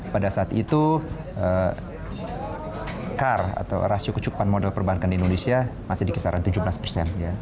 pada saat itu car atau rasio kecukupan modal perbankan di indonesia masih di kisaran tujuh belas persen